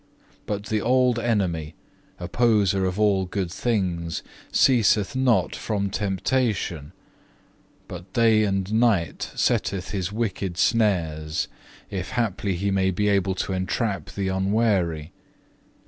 But the old enemy, opposer of all good things, ceaseth not from temptation; but day and night setteth his wicked snares, if haply he may be able to entrap the unwary.